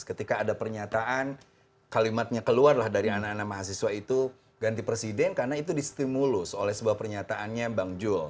ketika ada pernyataan kalimatnya keluar lah dari anak anak mahasiswa itu ganti presiden karena itu distimulus oleh sebuah pernyataannya bang jul